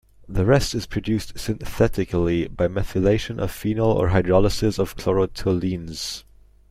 The rest is produced synthetically, by methylation of phenol or hydrolysis of chlorotoluenes.